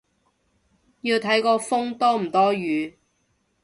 要睇個風多唔多雨